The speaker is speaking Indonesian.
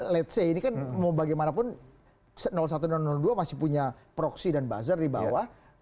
let's say ini kan mau bagaimanapun satu dan dua masih punya proxy dan buzzer di bawah